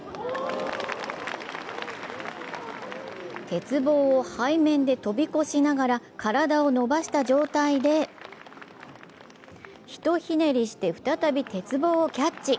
鉄棒を背面で飛び越しながら、体を伸ばした状態で、ひとひねりして再び鉄棒をキャッチ。